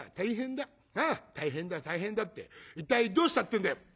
なあ大変だ大変だって一体どうしたっていうんだよ」。